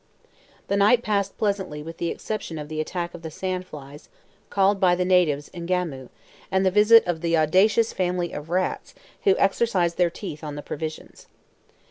The night passed pleasantly with the exception of the attack of the sand flies, called by the natives, "ngamu," and the visit of the audacious family of rats, who exercised their teeth on the provisions.